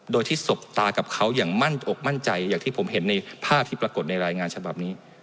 โดยที่สบตากับเขาอย่างมั่นอกมั่นใจอย่างที่ผมเห็นในภาพที่ปรากฏในรายงานฉบับนี้